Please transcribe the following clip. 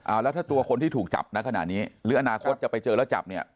แล้วถ้าตัวคนที่ถูกจับนะขณะนี้หรืออนาคตจะไปเจอแล้วจับเนี่ย